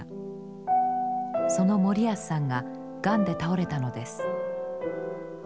その森安さんががんで倒れたのです。